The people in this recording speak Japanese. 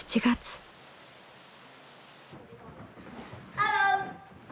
ハロー。